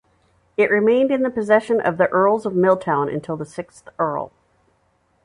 It remained in the possession of the Earls of Milltown until the sixth earl.